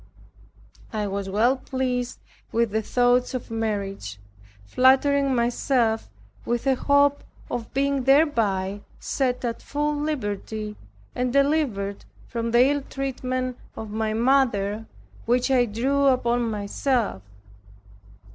I was well pleased with the thoughts of marriage, flattering myself with a hope of being thereby set at full liberty, and delivered from the ill treatment of my mother which I drew upon myself.